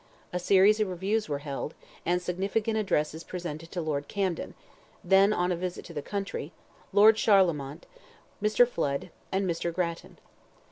A series of reviews were held, and significant addresses presented to Lord Camden (then on a visit to the country), Lord Charlemont, Mr. Flood, and Mr. Grattan.